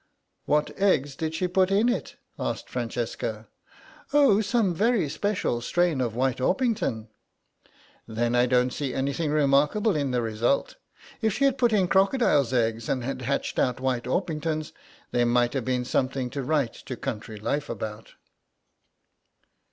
"What eggs did she put in it?" asked Francesca. "Oh, some very special strain of White Orpington." "Then I don't see anything remarkable in the result. If she had put in crocodile's eggs and hatched out White Orpingtons, there might have been something to write to Country Life about."